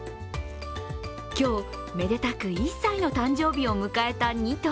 今日、めでたく１歳の誕生日を迎えた２頭。